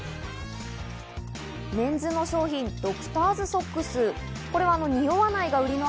メンズの商品、ドクターズソックス。